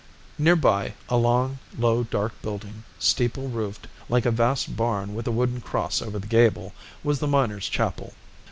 Near by, a long, low, dark building, steeple roofed, like a vast barn with a wooden cross over the gable, was the miners' chapel.